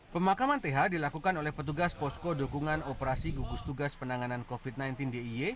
pemakaman th dilakukan oleh petugas posko dukungan operasi gugus tugas penanganan covid sembilan belas d i e